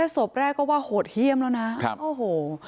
สบแรกก็เกิดไหวกองเอาผ่านเทพ